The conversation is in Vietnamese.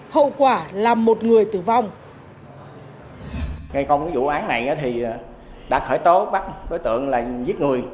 hậu quả là một người tử vong